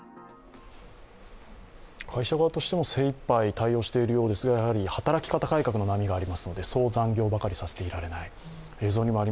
会社側としても精いっぱい対応しているようですが、やはり働き方改革の波がありますからそう残業ばかりさせられない。